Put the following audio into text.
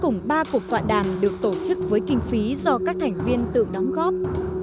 cùng ba cuộc tọa đàm được tổ chức với kinh phí do các thành viên tự đóng góp